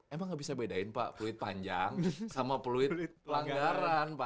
emang gak bisa bedain pak peluit panjang sama peluit pelanggaran pak